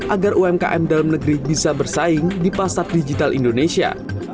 agar umkm dalam negeri bisa bersaing di pasar digital indonesia